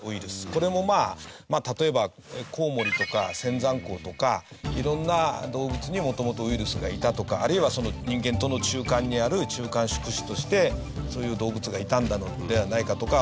これも例えばコウモリとかセンザンコウとか色んな動物に元々ウイルスがいたとかあるいは人間との中間にある中間宿主としてそういう動物がいたのではないかとか